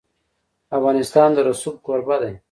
افغانستان د رسوب کوربه دی.